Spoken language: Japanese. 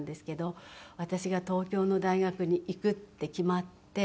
私が東京の大学に行くって決まって。